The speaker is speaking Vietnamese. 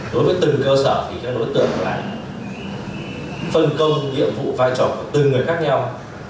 đối với từng cơ sở thì các đối tượng là phân công nhiệm vụ vai trò của từng người khác nhau